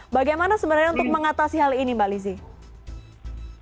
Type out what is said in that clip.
bagaimana sebenarnya untuk mengatasi hal ini mbak lizzie